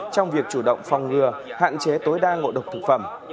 trong việc chủ động phòng ngừa hạn chế tối đa ngộ độc thực phẩm